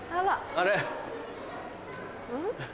あれ。